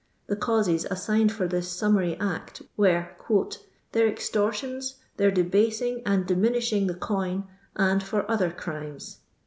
The causes as signed for this summary act, were "their ex tortions, their debasing and diminishing the coin, and for other crimes."